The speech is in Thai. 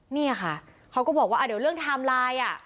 นี่ค่ะเขาก็บอกว่าเดี๋ยวเรื่องไทม์ไลน์